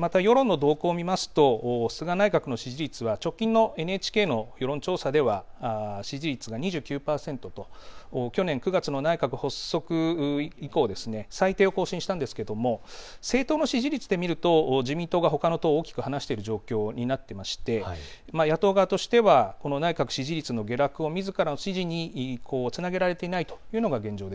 また世論の動向を見ますと菅内閣の支持率は直近のＮＨＫの世論調査では支持率が２９％と去年９月の内閣発足以降最低を更新したんですけれども政党の支持率で見ると自民党がほかの党を大きく離している状況になっていまして野党側としてはこの内閣支持率の下落をみずからの支持につなげられていないというのが現状です。